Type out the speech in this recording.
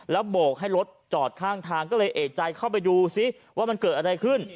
โบกให้รถจอดข้างทางก็เลยเอกใจเข้าไปดูซิว่ามันเกิดอะไรขึ้น